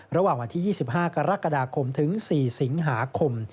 ระหว่างวันที่๒๕กรกฎาคมถึง๔สิงหาคม